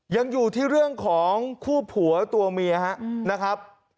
ยังอยู่ที่เรื่องของคู่ผัวตัวเมียนะครับ